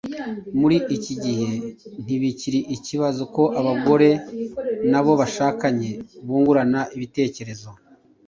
Muri iki gihe, ntibikiri ikibazo ko abagore n’abo bashakanye bungurana ibitekerezo